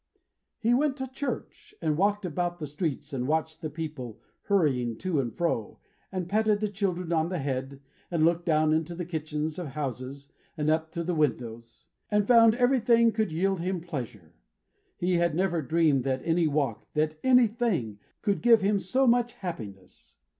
He went to church, and walked about the streets and watched the people hurrying to and fro, and patted the children on the head, and looked down into the kitchens of houses, and up to the windows; and found everything could yield him pleasure. He had never dreamed that any walk that any thing could give him so much happiness.